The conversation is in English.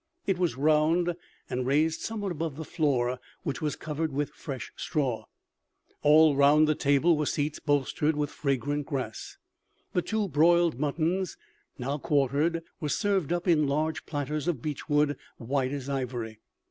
It was round and raised somewhat above the floor which was covered with fresh straw. All around the table were seats bolstered with fragrant grass. The two broiled muttons, now quartered, were served up in large platters of beechwood, white as ivory.